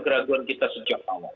keraguan kita sejak awal